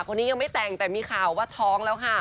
คนนี้ยังไม่แต่งแต่มีข่าวว่าท้องแล้วค่ะ